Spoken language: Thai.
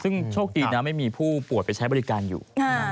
ซึ่งโชคดีนะไม่มีผู้ป่วยไปใช้บริการอยู่